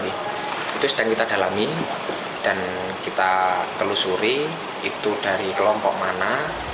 itu sedang kita dalami dan kita telusuri itu dari kelompok mana